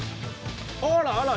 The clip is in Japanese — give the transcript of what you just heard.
あらあら！